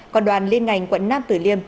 còn đoàn liên ngành quận nam tử liêm